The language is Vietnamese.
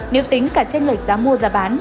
nếu tính cả chênh lệch giá mua giá bán